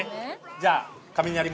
じゃあ。